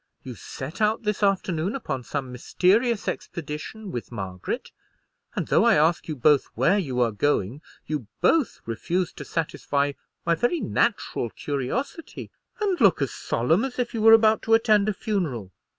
You set out this afternoon upon some mysterious expedition with Margaret; and though I ask you both where you are going, you both refuse to satisfy my very natural curiosity, and look as solemn as if you were about to attend a funeral.